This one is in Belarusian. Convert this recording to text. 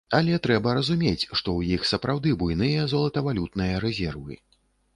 Але трэба разумець, што іх сапраўды буйныя золатавалютныя рэзервы.